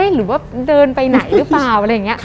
หรือว่าเดินไปไหนหรือเปล่าอะไรอย่างนี้